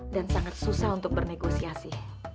dan sangat susah untuk bernegosiasi